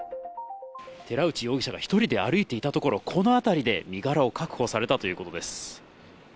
寺内容疑者が１人で歩いていたところ、この辺りで身柄を確保されたということです。